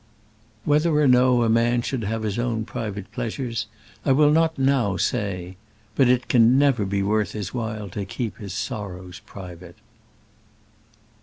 Whether or no a man should have his own private pleasures, I will not now say; but it never can be worth his while to keep his sorrows private.